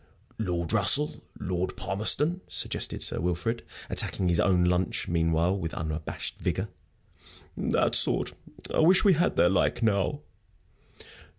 "Lord Russell? Lord Palmerston?" suggested Sir Wilfrid, attacking his own lunch meanwhile with unabashed vigor. "That sort. I wish we had their like now."